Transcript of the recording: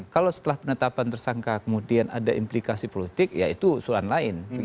kalau setelah penetapan tersangka kemudian ada implikasi politik ya itu usulan lain